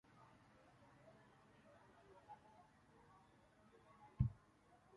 El resultado fue el efímero diario de tarde "New York World Journal Tribune".